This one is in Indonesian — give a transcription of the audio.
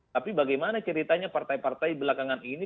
tapi bagaimana ceritanya partai partai belakangan ini